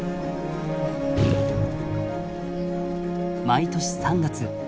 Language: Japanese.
毎年３月。